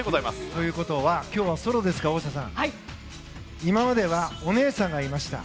ということは今日はソロですから大下さん今まではお姉さんがいました。